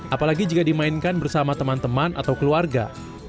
apalagi jika dimainkan bersama teman teman atau keluarga